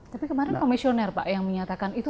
tapi kemarin komisioner pak yang menyatakan itu